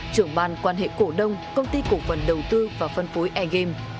trưởng ban quan hệ cổ đông công ty cổ phần đầu tư và phân phối air game